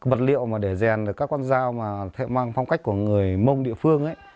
vật liệu mà để rèn được các con dao mà mang phong cách của người mông địa phương ấy